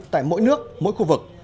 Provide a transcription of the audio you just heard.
tại mỗi nước mỗi khu vực